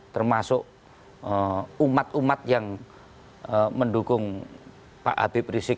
termasuk umat umat yang mendukung pak habib rizik